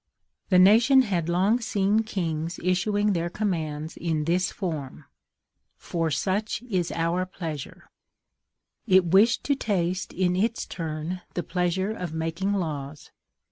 The nation had long seen kings issuing their commands in this form: FOR SUCH IS OUR PLEASURE; it wished to taste in its turn the pleasure of making laws.